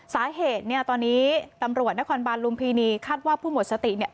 สาเหตุเนี่ยตอนนี้ตำรวจนครบาลลุมพินีคาดว่าผู้หมดสติเนี่ย